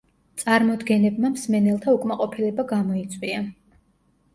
წარმოდგენებმა მსმენელთა უკმაყოფილება გამოიწვია.